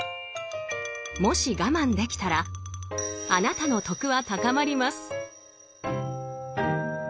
もし我慢できたらあなたの「徳」は高まります！